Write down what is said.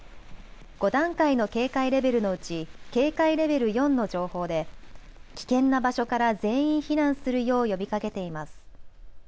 ５段階の警戒レベルのうち警戒レベル４の情報で危険な場所から全員避難するよう呼びかけています。